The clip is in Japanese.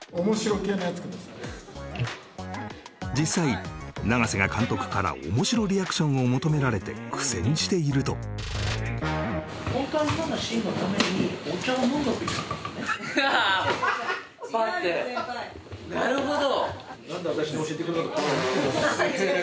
実際永瀬が監督から面白リアクションを求められて苦戦しているとなるほど！